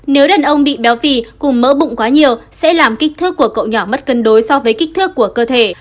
nếu đàn ông bị béo phì cùng mỡ bụng quá nhiều sẽ làm kích thước của cậu nhỏ mất cân đối so với kích thước của cơ thể